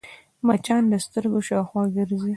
مچان د سترګو شاوخوا ګرځي